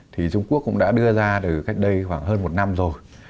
thì trung quốc cũng đã đưa ra từ cách đây khoảng hơn một năm rồi